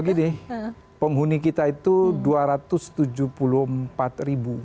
begini penghuni kita itu dua ratus tujuh puluh empat ribu